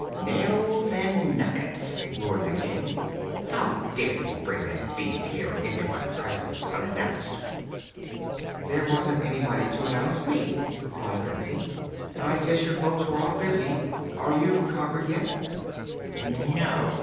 "Nails and nuggets!" roared the King; "how dare you bring that beast here and enter my presence unannounced?" "There wasn't anybody to announce me," replied Betsy. "I guess your folks were all busy. Are you conquered yet?" "No!"